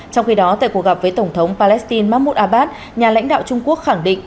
trong khi đó tại cuộc gặp với tổng thống palestine mahmoud abbas nhà lãnh đạo trung quốc khẳng định